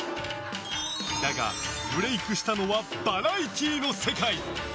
だが、ブレークしたのはバラエティーの世界。